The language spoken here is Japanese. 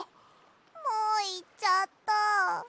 もういっちゃった。